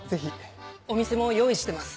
お店も用意してます